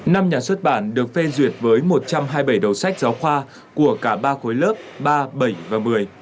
năm nhà xuất bản được phê duyệt với một trăm hai mươi bảy đầu sách giáo khoa của cả ba khối lớp ba bảy và một mươi